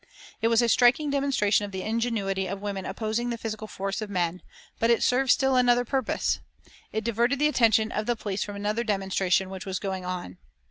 It was a striking demonstration of the ingenuity of women opposing the physical force of men, but it served still another purpose. It diverted the attention of the police from another demonstration which was going on.